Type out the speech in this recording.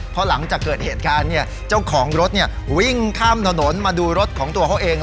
เพราะหลังจากเกิดเหตุการณ์เจ้าของรถวิ่งข้ามถนนมาดูรถของตัวเขาเอง